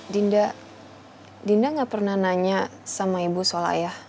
dinda dinda nggak pernah nanya sama ibu soal ayah